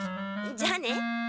じゃあね！